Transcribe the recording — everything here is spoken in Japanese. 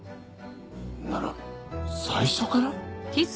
なら最初から？